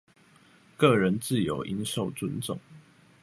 個人自由應受尊重